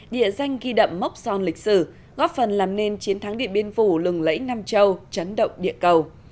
địa danh ghi đậm mốc son lịch sử góp phần làm nên chiến thắng điện biên phủ lừng lẫy nam châu chấn động địa cầu